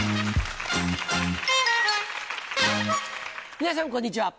皆さんこんにちは。